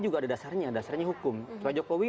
juga ada dasarnya dasarnya hukum pak jokowi